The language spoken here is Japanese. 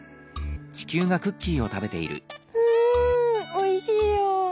うんおいしいよ。